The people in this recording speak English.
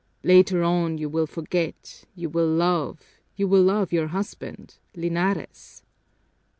Later on you will forget, you will love, you will love your husband Linares."